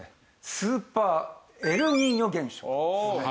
スーパーエルニーニョ現象です。